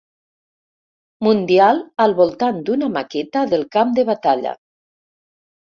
Mundial al voltant d'una maqueta del camp de batalla.